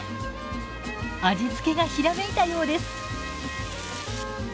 味付けがひらめいたようです。